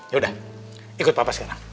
yaudah ikut papa sekarang